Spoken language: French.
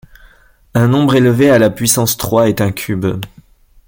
Un nombre élevé à la puissance trois est un cube.